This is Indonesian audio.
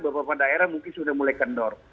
beberapa daerah mungkin sudah mulai kendor